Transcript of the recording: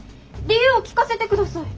理由を聞かせてください。